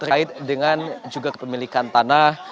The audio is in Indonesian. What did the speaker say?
terkait dengan juga kepemilikan tanah